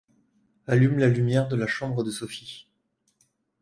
Allume la lumière de la chambre de Sophie.